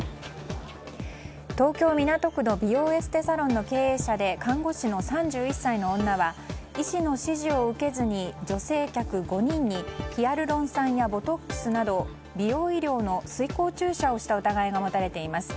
東京・港区の美容エステサロンの経営者で看護師の３１歳の女は医師の指示を受けずに女性客５人にヒアルロン酸やボトックスなど美容医療の水光注射をした疑いが持たれています。